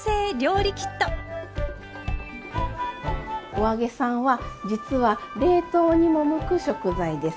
お揚げさんは実は冷凍にも向く食材です。